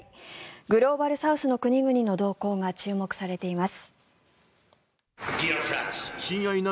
グローバルサウスの国々の動向が注目されています。